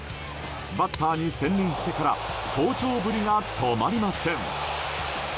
バッターに専念してから好調ぶりが止まりません。